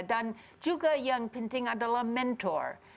dan juga yang penting adalah mentor